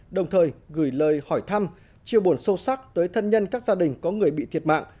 đồng thời gửi lời hỏi thăm chia buồn sâu sắc tới thân nhân các gia đình có người bị thiệt mạng